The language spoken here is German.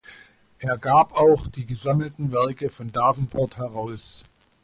Er gab auch die gesammelten Werke von Davenport heraus.